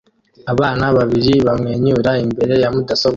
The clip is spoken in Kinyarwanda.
Abana babiri bamwenyura imbere ya mudasobwa